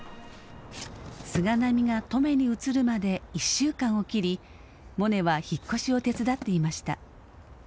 菅波が登米に移るまで１週間を切りモネは引っ越しを手伝っていました。